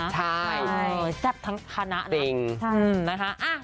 ใช่ใช่ใช่จริงใช่